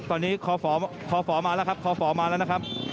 ตอนนี้คฝมาแล้วครับคฝมาแล้วนะครับ